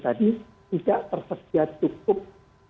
tadi tidak tersedia cukup